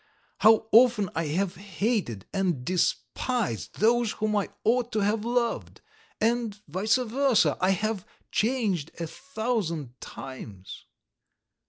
How often I have hated and despised those whom I ought to have loved, and vice versa, I have changed a thousand times.